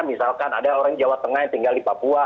misalkan ada orang jawa tengah yang tinggal di papua